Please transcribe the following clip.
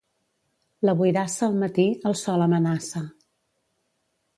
La boirassa al matí el sol amenaça.